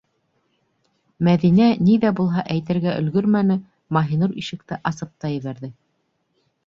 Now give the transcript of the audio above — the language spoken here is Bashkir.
Мәҙинә ни ҙә булһа әйтергә өлгөрмәне - Маһинур ишекте асып та ебәрҙе.